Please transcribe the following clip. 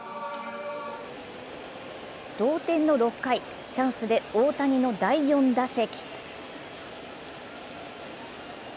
同点の６回、チャンスで大谷の第４打席。